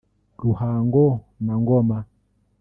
Ruhango na Ngoma